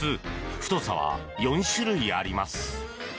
太さは４種類あります。